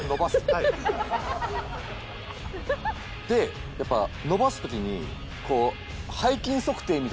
でやっぱ伸ばすときに。